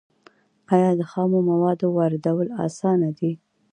آیا د خامو موادو واردول اسانه دي؟